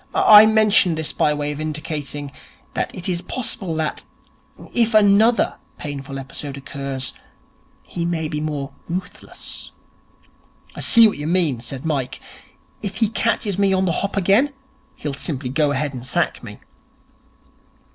I mention this by way of indicating that it is possible that, if another painful episode occurs, he may be more ruthless.' 'I see what you mean,' said Mike. 'If he catches me on the hop again, he'll simply go ahead and sack me.'